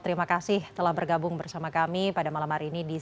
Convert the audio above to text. terima kasih telah bergabung bersama kami pada malam hari ini